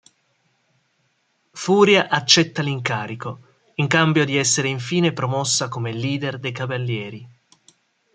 Furia accetta l'incarico, in cambio di essere infine promossa come leader dei Cavalieri.